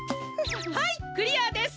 はいクリアです。